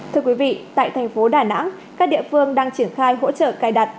thưa quý vị tại thành phố đà nẵng các địa phương đang triển khai hỗ trợ cài đặt